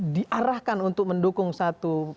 diarahkan untuk mendukung satu